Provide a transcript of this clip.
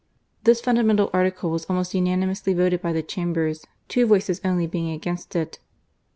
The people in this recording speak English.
This fundamental article was almost unanimously voted by the Chambers, two voices only being against it.